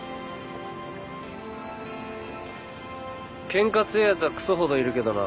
ケンカ強えやつはクソほどいるけどな。